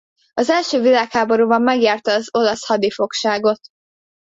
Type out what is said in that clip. Az első világháborúban megjárta az olasz hadifogságot.